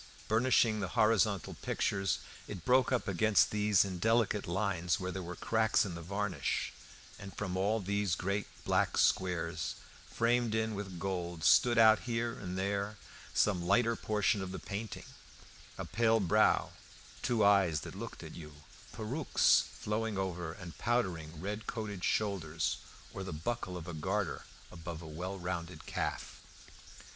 Burnishing the horizontal pictures, it broke up against these in delicate lines where there were cracks in the varnish, and from all these great black squares framed in with gold stood out here and there some lighter portion of the painting a pale brow, two eyes that looked at you, perukes flowing over and powdering red coated shoulders, or the buckle of a garter above a well rounded calf.